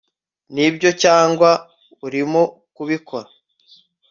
Nibyo cyangwa urimo kubikora